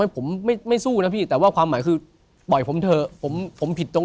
นึกถึงหลวงปูหรือสีที่ผมนับถึง